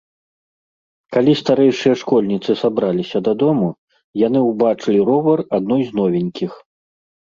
Калі старэйшыя школьніцы сабраліся дадому, яны ўбачылі ровар адной з новенькіх.